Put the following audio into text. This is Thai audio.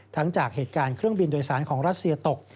จากเหตุการณ์เครื่องบินโดยสารของรัสเซียตก